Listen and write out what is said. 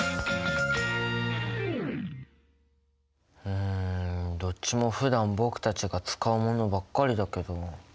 うんどっちもふだん僕たちが使うものばっかりだけど。